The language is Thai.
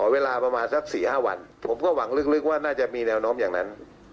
เวลาประมาณสัก๔๕วันผมก็หวังลึกว่าน่าจะมีแนวโน้มอย่างนั้น